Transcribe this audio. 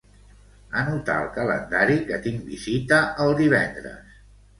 Anotar al calendari que tinc visita el divendres.